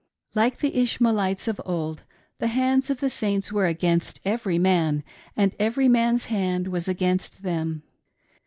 Like the Ishmaelites of old, the hands of the Saints were against every man, and every man's hand was against them.